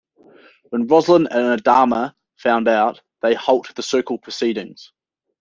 When Roslin and Adama find out, they halt the Circle proceedings.